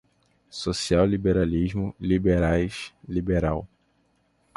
Social-liberalismo, liberais, liberal